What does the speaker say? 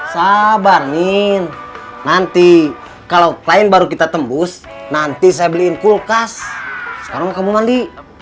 sabar nin nanti kalau klien baru kita tembus nanti saya beliin kulkas sekarang kamu mandi